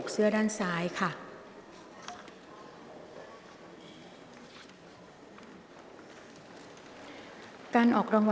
กรรมการท่านที่สามได้แก่กรรมการใหม่เลขหนึ่งค่ะ